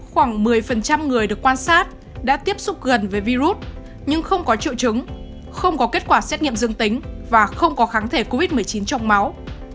khoảng một mươi người được quan sát đã tiếp xúc gần với virus nhưng không có triệu chứng không có kết quả xét nghiệm dương tính và không có kháng thể covid một mươi chín trong máu